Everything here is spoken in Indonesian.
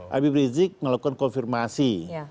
habib rizik melakukan konfirmasi